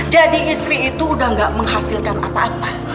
jadi istri itu udah nggak menghasilkan apa apa